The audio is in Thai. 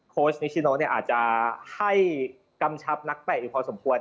โคชนิชโชน์เนี่ยอาจจะให้กำชับนักแต่อยู่พอสมควร